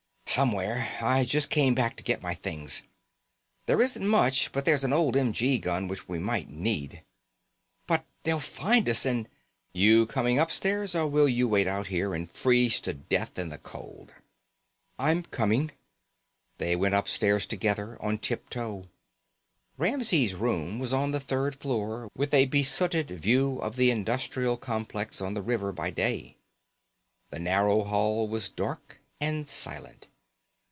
"Somewhere. I just came back to get my things. There isn't much, but there's an old m.g. gun which we might need." "But they'll find us, and " "You coming upstairs or will you wait out here and freeze to death in the cold?" "I'm coming." They went upstairs together, on tip toe. Ramsey's room was on the third floor, with a besooted view of the industrial complex on the river by day. The narrow hall was dark and silent.